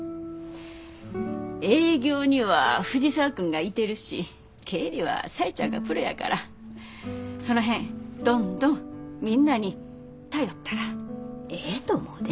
営業には藤沢君がいてるし経理は紗江ちゃんがプロやからその辺どんどんみんなに頼ったらええと思うで。